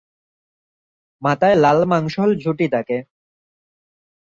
মাথায় লাল মাংসল ঝুঁটি থাকে।